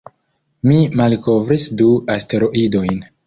Li malkovris du asteroidojn.